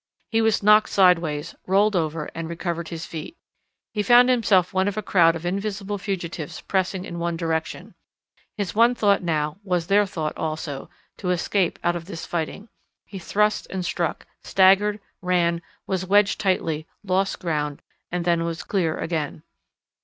He was knocked sideways, rolled over, and recovered his feet. He found himself one of a crowd of invisible fugitives pressing in one direction. His one thought now was their thought also; to escape out of this fighting. He thrust and struck, staggered, ran, was wedged tightly, lost ground and then was clear again.